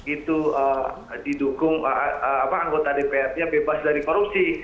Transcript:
itu didukung anggota dpr ri yang bebas dari korupsi